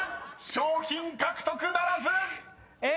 賞品獲得ならず！］え！